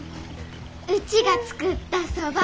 うちが作ったそば。